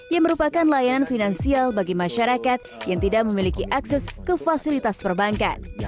yang merupakan layanan finansial bagi masyarakat yang tidak memiliki akses ke fasilitas perbankan